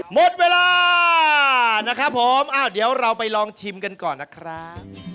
หมดเวลานะครับผมเดี๋ยวเราไปลองชิมกันก่อนนะครับ